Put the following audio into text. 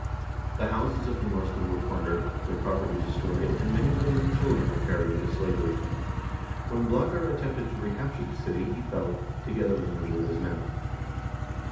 The houses of the Norsemen were plundered, their property destroyed, and many women and children were carried into slavery. When Blakar attempted to recapture the city, he fell, together with a number of his men.